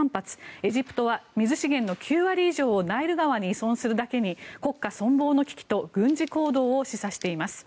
エジプトは水資源の９割以上をナイル川に依存するだけに国家存亡の危機と軍事行動を示唆しています。